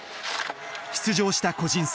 出場した個人戦。